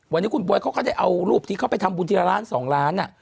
วันนี้คุณบ๊วยเขาก็ได้เอารูปที่เขาไปทำบุญทีละล้าน๒ล้าน